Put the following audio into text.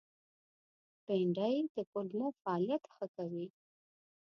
بېنډۍ د کولمو فعالیت ښه کوي